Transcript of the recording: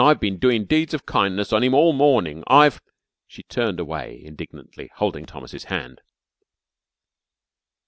"An' I've bin doin' deeds of kindness on him all morning. I've " She turned away indignantly, holding Thomas's hand.